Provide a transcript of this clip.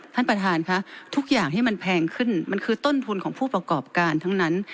ท่านประธานค่ะทุกอย่างที่มันแพงขึ้นมันคือต้นทุนของผู้ประกอบการทั้งนั้น